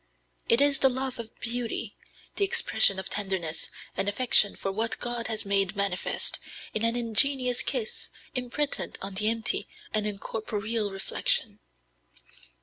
It is the love of beauty, the expression of tenderness and affection for what God has made manifest, in an ingenuous kiss imprinted on the empty and incorporeal reflection."